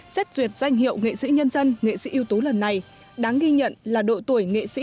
xét duyệt danh hiệu nghệ sĩ nhân dân nghệ sĩ ưu tú lần này đáng ghi nhận là độ tuổi nghệ sĩ